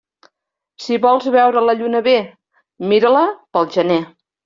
Si vols veure la lluna bé, mira-la pel gener.